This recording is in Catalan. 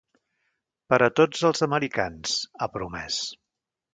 Per a tots els americans, ha promès.